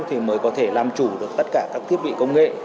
thì mới có thể làm chủ được tất cả các thiết bị công nghệ